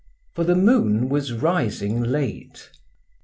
For the moon was rising late.